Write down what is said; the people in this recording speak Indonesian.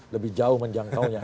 lebih jauh menjangkaunya